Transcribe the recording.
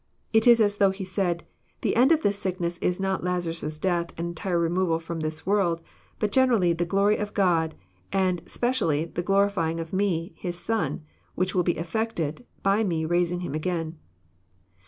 It is as though He said,^^^he en^ of this sickness is not Lazarus' death and enj; ire removal from this world, but generally the glory of God, and specially the glorifying of Me, His Son, which will be effected by my raising him again."